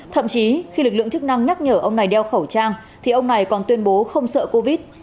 thậm chí khi lực lượng chức năng nhắc nhở ông này đeo khẩu trang thì ông này còn tuyên bố không sợ covid